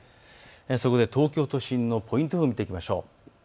そこで東京都心のポイント予報を見ていきましょう。